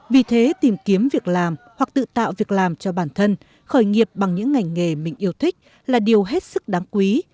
vì thế tìm kiếm việc làm hoặc tự tạo việc làm cho bản thân khởi nghiệp bằng những ngành nghề mình yêu thích là điều hết sức đáng quý